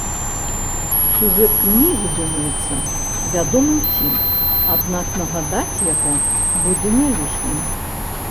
Сюжэт кнігі, думаецца, вядомы ўсім, аднак нагадаць яго будзе не лішнім.